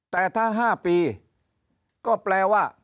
แต่ถ้า๕ปีก็แปลว่า